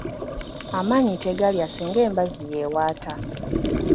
Amaanyi tegalya singa embazzi y’ewaata